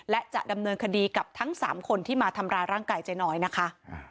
และจะดำเนินคดีกับทั้ง๓คนที่มาทำร้ายร่างกายเจ๊น้อยนะคะ